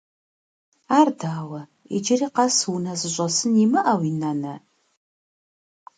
Ар дауэ, иджыри къэс унэ зыщӏэсын имыӏэуи, нанэ?